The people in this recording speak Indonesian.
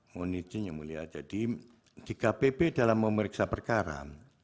mohon izin yang mulia jadi di kpp dalam memeriksa perkara